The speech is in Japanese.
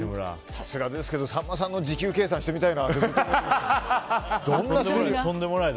さすがですけど、さんまさんの時給計算してみたいな。